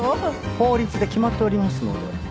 法律で決まっておりますので。